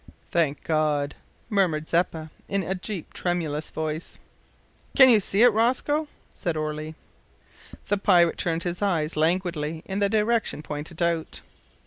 "Thank God!" murmured Zeppa, in a deep, tremulous voice. "Can you see it, Rosco?" said Orley. The pirate turned his eyes languidly in the direction pointed out.